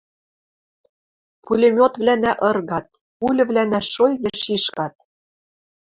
пулемётвлӓнӓ ыргат; пульывлӓнӓ шойге шишкат.